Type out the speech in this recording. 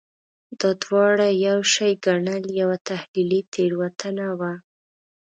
دا دواړه یو شی ګڼل یوه تحلیلي تېروتنه وه.